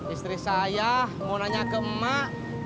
istri saya mau nanya ke emak